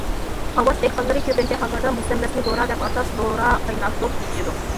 ئاۋات دېھقانلىرى كۆپىنچە ھاللاردا مۇسەللەسنى دورا دەپ ئاتاپ،« دورا قايناتتۇق» دېيىشىدۇ.